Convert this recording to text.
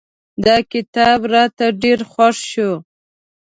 دا کتاب راته ډېر خوښ شو.